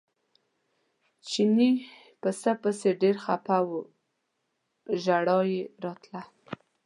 چیني پسه پسې ډېر خپه و ژړا یې راتله.